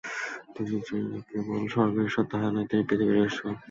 তিনি যে কেবল স্বর্গের ঈশ্বর তাহা নয়, তিনি পৃথিবীরও ঈশ্বর।